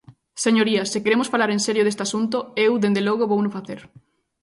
Señorías, se queremos falar en serio deste asunto, eu, dende logo, vouno facer.